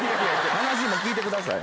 話も聞いてください。